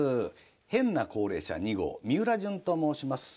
変な高齢者２号みうらじゅんと申します。